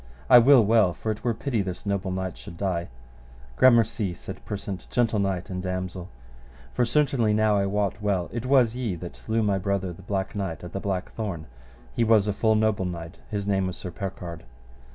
I will well, for it were pity this noble knight should die. Gramercy, said Persant, gentle knight and damosel. For certainly now I wot well it was ye that slew my brother the Black Knight at the black thorn; he was a full noble knight, his name was Sir Percard.